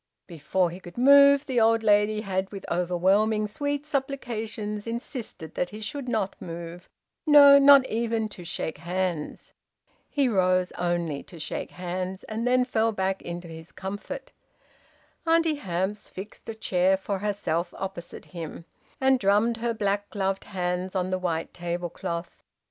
Before he could move the old lady had with overwhelming sweet supplications insisted that he should not move no, not even to shake hands! He rose only to shake hands, and then fell back into his comfort. Auntie Hamps fixed a chair for herself opposite him, and drummed her black gloved hands on the white table cloth.